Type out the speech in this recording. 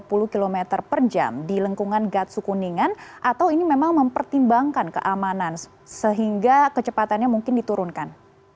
dua puluh km per jam di lengkungan gatsu kuningan atau ini memang mempertimbangkan keamanan sehingga kecepatannya mungkin diturunkan